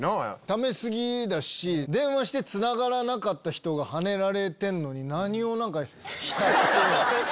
ため過ぎだし電話してつながらなかった人がはねられてんのに何を何か浸って。